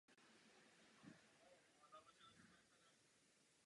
To je určitě záslužná věc!